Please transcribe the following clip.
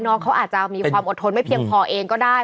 น้องเขาอาจจะมีความอดทนไม่เพียงพอเองก็ได้